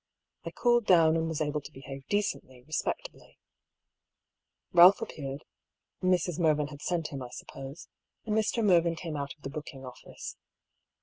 I cooled down and was able to behave decently, respect ably. Ealph appeared — Mrs. Mervyn had sent him, I suppose — and Mr. Mervyn came out of the booking ofiice.